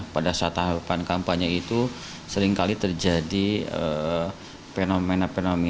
pada saat tahapan kampanye itu seringkali terjadi fenomena fenomena